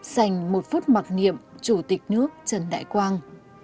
dành một phút mặc niệm chủ tịch nước trần đại quang